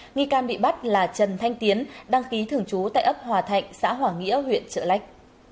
nghi can bị bắt là trần thanh tiến đăng ký thường trú tại ấp hòa thạnh xã hòa nghĩa huyện trợ lách